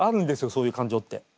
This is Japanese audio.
そういう感情って。